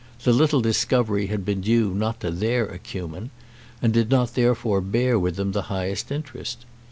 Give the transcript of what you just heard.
The little discovery had been due not to their acumen, and did not therefore bear with them the highest interest.